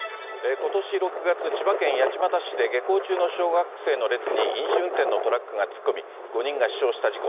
ことし６月、千葉県八街市で下校中の小学生の列に、飲酒運転のトラックが突っ込み、５人が死傷した事故。